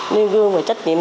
nêu gương bằng những việc đó